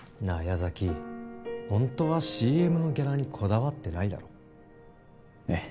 矢崎ホントはＣＭのギャラにこだわってないだろえっ？